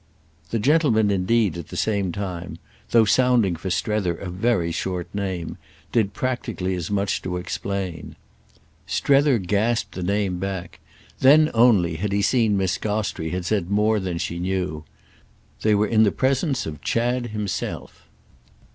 The gentleman indeed, at the same time, though sounding for Strether a very short name, did practically as much to explain. Strether gasped the name back—then only had he seen Miss Gostrey had said more than she knew. They were in presence of Chad himself.